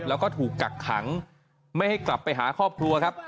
แล้วก็ถูกกักขังไม่ให้กลับไปหาครอบครัวครับ